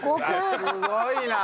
すごいな！